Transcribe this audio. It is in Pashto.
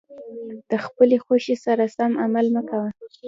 د خپلې خوښې سره سم عمل مه کوه.